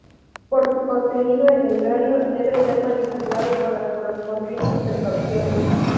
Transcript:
Por su contenido en uranio debe ser manipulado con las correspondientes precauciones.